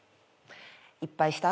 いっぱいした？